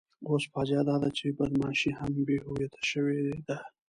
اوس فاجعه داده چې بدماشي هم بې هویته شوې ده.